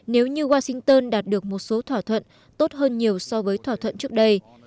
nếu như washington đạt được một số thỏa thuận tốt hơn nhiều so với thỏa thuận trước đây